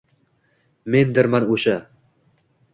Mendirman o'sha!